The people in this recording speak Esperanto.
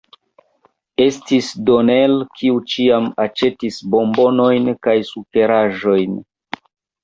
Estis Donel, kiu ĉiam aĉetis bombonojn kaj sukeraĵojn.